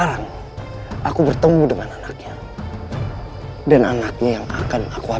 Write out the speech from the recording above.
dan aku tidak akan pernah memaafkan dia